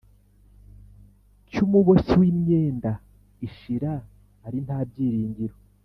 cy’umuboshyi w’imyenda, ishira ari nta byiringiro